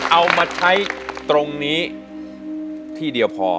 เอามาใช้ตรงนี้ที่เดียวพอ